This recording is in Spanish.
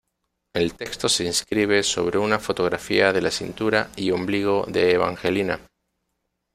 El texto se inscribe sobre una fotografía de la cintura y ombligo de Evangelina.